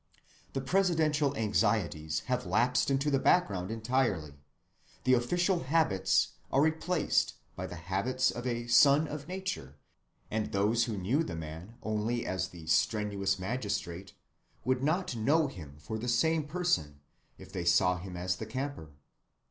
The presidential anxieties have lapsed into the background entirely; the official habits are replaced by the habits of a son of nature, and those who knew the man only as the strenuous magistrate would not "know him for the same person" if they saw him as the camper.